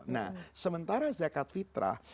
nah sementara zakat fitrah